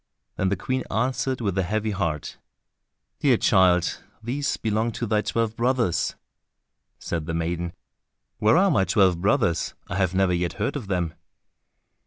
Then the Queen answered with a heavy heart, "Dear child, these belong to thy twelve brothers." Said the maiden, "Where are my twelve brothers, I have never yet heard of them?"